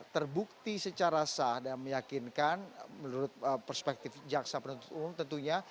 terbukti secara sah dan meyakinkan menurut perspektif jaksa penuntut umum tentunya